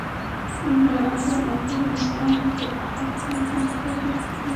আমরা আরও আগেই বাস্তবায়ন করতে পারতাম, কিন্তু হাতে সময় ছিল না।